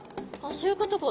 そういうことか。